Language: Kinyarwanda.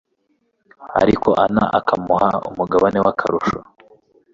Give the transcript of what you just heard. ariko ana akamuha umugabane w'akarusho